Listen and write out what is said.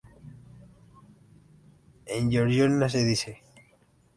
En georgiano, se dice "პროლეტარებო ყველა ქვეყნისა, შეერთდით!